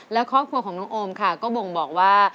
และครอบครัวของน้องโอมค่ะก็บ่งบอกว่า